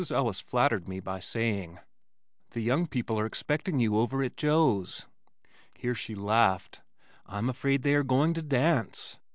Ellis flattered me by saying, "The young people are expecting you over at Joe's." Here she laughed, "I'm afraid they are going to dance."